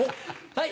はい。